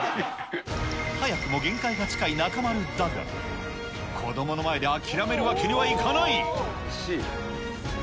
早くも限界が近い中丸だが、子どもの前で諦めるわけにはいかない。